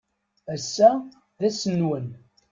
Ass-a d ass-nnwen.